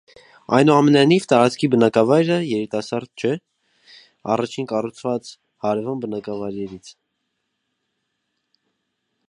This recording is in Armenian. Այնուամենայնիվ, տարածքի բնակավայրը երիտասարդ չէ առաջին կառուցված հարևան բնակավայրենրից։